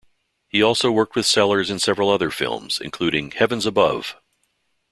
He also worked with Sellers in several other films, including Heavens Above!